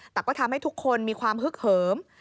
แต่ก็ทำให้ทุกคนมีความฮึกเหิม